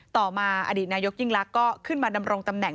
ต่อมาอดีตนายกยิ่งลักษณ์ก็ขึ้นมาดำรงตำแหน